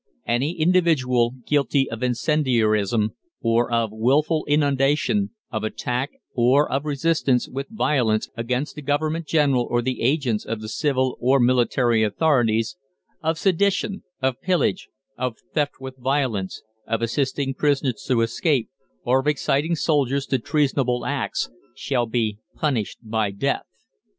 Any individual guilty of incendiarism or of wilful inundation, of attack, or of resistance with violence against the Government General or the agents of the civil or military authorities, of sedition, of pillage, of theft with violence, of assisting prisoners to escape, or of exciting soldiers to treasonable acts, shall be PUNISHED BY DEATH.